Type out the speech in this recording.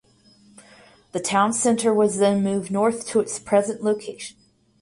The town center was then moved north to its present location.